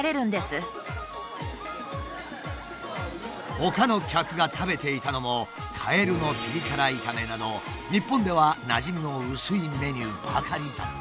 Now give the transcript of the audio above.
ほかの客が食べていたのもカエルのピリ辛炒めなど日本ではなじみの薄いメニューばかりだった。